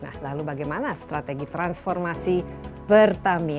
nah lalu bagaimana strategi transformasi pertamina